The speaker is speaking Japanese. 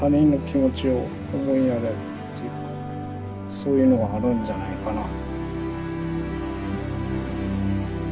そういうのがあるんじゃないかなあ。